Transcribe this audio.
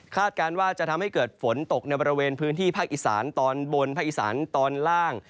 การว่าจะทำให้เกิดฝนตกในบริเวณพื้นที่ภาคอีสานตอนบนภาคอีสานตอนล่าง